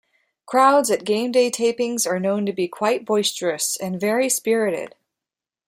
Crowds at "GameDay" tapings are known to be quite boisterous and very spirited.